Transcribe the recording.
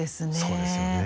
そうですよね。